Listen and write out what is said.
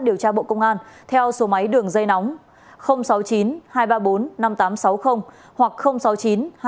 điều tra bộ công an theo số máy đường dây nóng sáu mươi chín hai trăm ba mươi bốn năm nghìn tám trăm sáu mươi hoặc sáu mươi chín hai trăm ba mươi hai một nghìn sáu trăm sáu mươi bảy